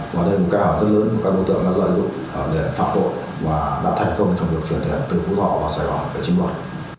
và đây là một cài hỏi rất lớn của các đối tượng đã dạy dụng để phạm tội và đã thành công trong việc chuyển tiền từ phú họa vào sài gòn để chính đoàn